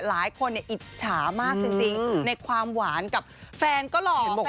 หลายคนเนี่ยอิจฉามากจริงจริงในความหวานกับแฟนก็หล่อแฟนก็ดี